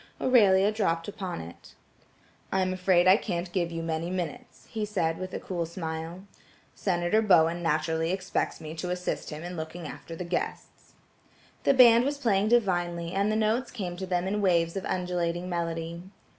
Aurelia dropped upon it: "I am afraid I can't give you many minutes," he said with a cool smile. "Senator Bowen naturally expects me to assist him in looking after the guests." The band was playing divinely and the notes came to them in waves of undulating melody.